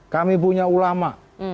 kami punya ulama